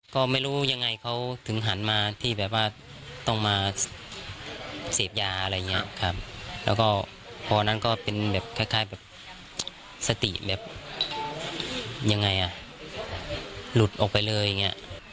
ก็ไม่รู้ยังไงเขาถึงหันมาที่แบบว่าต้องมาเสพยาอะไรอย่างนี้ครับแล้วก็พอนั้นก็เป็นแบบคล้ายแบบสติแบบยังไงอ่ะหลุดออกไปเลยอย่างเงี้ย